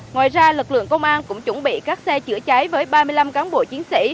ngoài ra lực lượng công an cũng chuẩn bị các xe chữa cháy với ba mươi năm cán bộ chiến sĩ